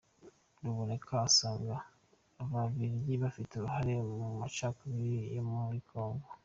Ruboneka asanga Ababligi bafite uruhare mu macakubiri yo muri Congo.